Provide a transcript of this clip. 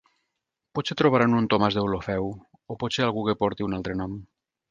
Potser trobaran un Tomàs Deulofeu, o potser algú que porti un altre nom.